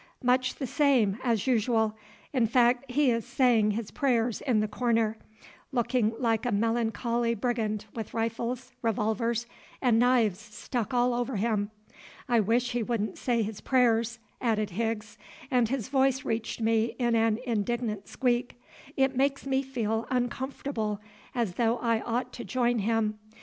"Much the same as usual. In fact, he is saying his prayers in the corner, looking like a melancholy brigand with rifles, revolvers, and knives stuck all over him. I wish he wouldn't say his prayers," added Higgs, and his voice reached me in an indignant squeak; "it makes me feel uncomfortable, as though I ought to join him.